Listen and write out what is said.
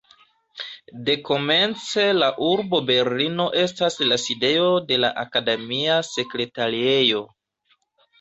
Dekomence la urbo Berlino estas la sidejo de la akademia sekretariejo.